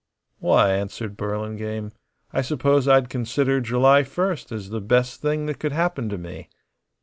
"Why," answered Burlingame, "I suppose I'd consider July first as the best thing that could happen to me."